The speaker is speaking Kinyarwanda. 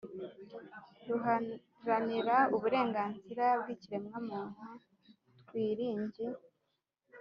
Ruharanira Uburenganzira bw Ikiremwamuntu twiringi